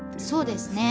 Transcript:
そうですね。